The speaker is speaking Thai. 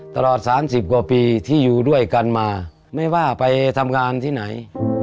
ตลอด๓๐กว่าปีที่อยู่ด้วยกันมาไม่ว่าไปทำงานที่ไหน